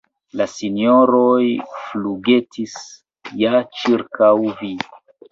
La sinjoroj flugetis ja ĉirkaŭ vi.